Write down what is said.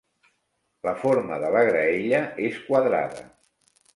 La forma de la graella és quadrada.